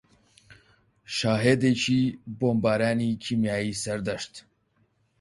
شاهێدێکی بۆمبارانی کیمیایی سەردەشت